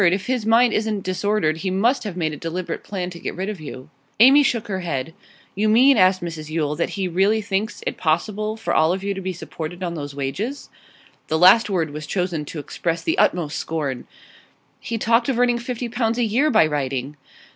if his mind isn't disordered he must have made a deliberate plan to get rid of you.' Amy shook her head. 'You mean,' asked Mrs Yule, 'that he really thinks it possible for all of you to be supported on those wages?' The last word was chosen to express the utmost scorn. 'He talked of earning fifty pounds a year by writing.